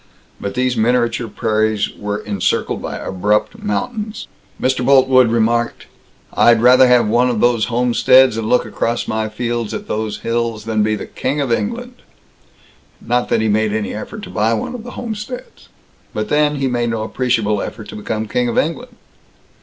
But these miniature prairies were encircled by abrupt mountains. Mr. Boltwood remarked, "I'd rather have one of these homesteads and look across my fields at those hills than be King of England." Not that he made any effort to buy one of the homesteads. But then, he made no appreciable effort to become King of England.